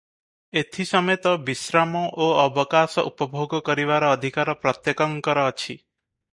ଏଥି ସମେତ ବିଶ୍ରାମ ଓ ଅବକାଶ ଉପଭୋଗ କରିବାର ଅଧିକାର ପ୍ରତ୍ୟେକଙ୍କର ଅଛି ।